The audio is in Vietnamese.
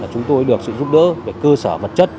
chúng tôi được sự giúp đỡ về cơ sở vật chất